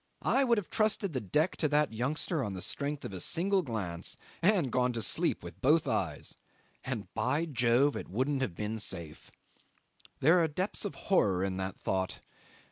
I would have trusted the deck to that youngster on the strength of a single glance, and gone to sleep with both eyes and, by Jove! it wouldn't have been safe. There are depths of horror in that thought.